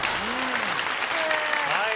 はい。